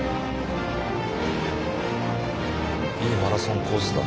いいマラソンコースだ。